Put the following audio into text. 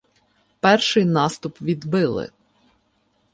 Перший наступ відбили.